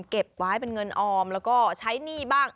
เก็บไว้เป็นเงินออมแล้วก็ใช้หนี้บ้าง